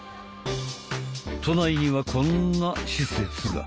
都内にはこんな施設が。